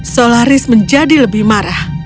solaris menjadi lebih marah